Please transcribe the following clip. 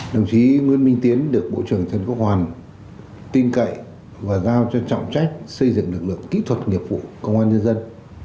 đồng chí nguyễn minh tiến được bộ trưởng trần quốc hoàn tin cậy và giao cho trọng trách xây dựng lực lượng kỹ thuật nghiệp vụ công an nhân dân